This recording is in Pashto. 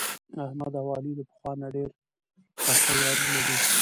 احمد او علي له پخوا نه ډېره پخه یاري لري.